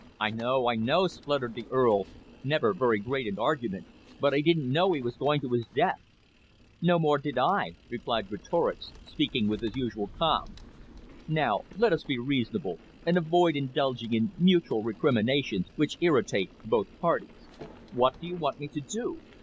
"I know, I know," spluttered the Earl, never very great in argument, "but I didn't know he was going to his death." "No, more did I," replied Greatorex, speaking with his usual calm. "Now let us be reasonable and avoid indulging in mutual recriminations which irritate both parties. What do you want me to do?"